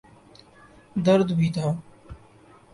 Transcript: درد بھی تھا۔